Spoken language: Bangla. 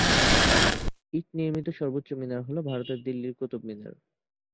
ইট নির্মিত সর্বোচ্চ মিনার হল ভারতের দিল্লির কুতুব মিনার।